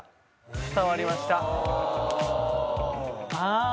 ・伝わりました・あ。